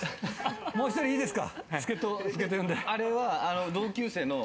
もう１人、いいですか？